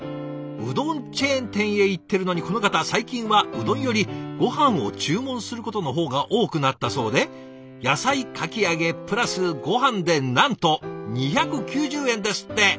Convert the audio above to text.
うどんチェーン店へ行ってるのにこの方最近はうどんよりごはんを注文することの方が多くなったそうで野菜かきあげプラスごはんでなんと２９０円ですって！